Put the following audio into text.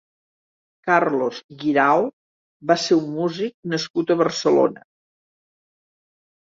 Carlos Guirao va ser un músic nascut a Barcelona.